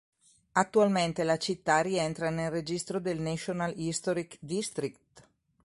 Attualmente la città rientra nel registro del National Historic District.